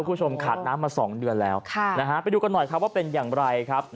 คุณผู้ชมขาดน้ำมา๒เดือนแล้วไปดูกันหน่อยว่าเป็นอย่างไรครับ